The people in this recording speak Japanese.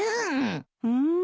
うん。